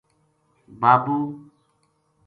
بابو